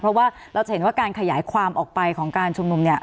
เพราะว่าเราจะเห็นว่าการขยายความออกไปของการชุมนุมเนี่ย